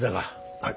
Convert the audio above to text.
はい。